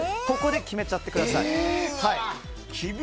ここで決めちゃってください。